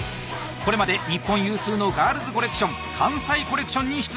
これまで日本有数のガールズコレクション関西コレクションに出場。